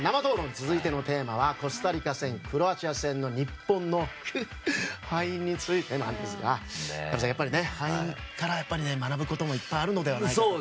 続いてのテーマはコスタリカ戦クロアチア戦の日本の敗因についてなんですがやっぱり、敗因から学ぶこともいっぱいあるのではと。